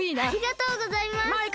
ありがとうございます！